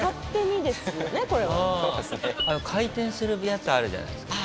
回転するやつあるじゃないですか。